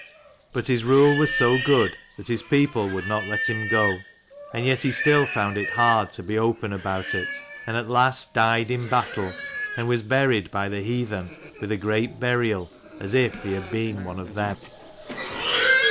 But his rule was so good that his people would not let him go ; and yet he still found it hard to be open about it, and at last died in battle, and was buried by the heathen with a great burial as if he had been one of them.